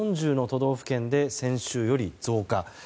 ４０の都道府県で先週より増加。